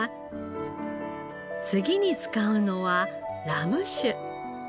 次に使うのはラム酒。